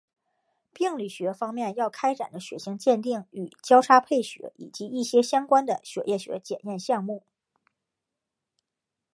病理学方面要开展的血型鉴定与交叉配血以及一些相关的血液学检验项目。